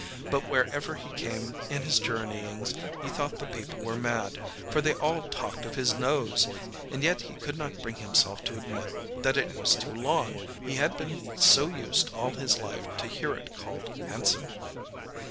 But wherever he came in his journeyings he thought the people were mad, for they all talked of his nose, and yet he could not bring himself to admit that it was too long, he had been so used all his life to hear it called handsome.